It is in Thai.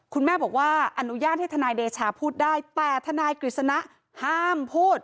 คุณแม่บอกว่าอนุญาตให้ทนายเดชาพูดได้แต่ทนายกฤษณะห้ามพูด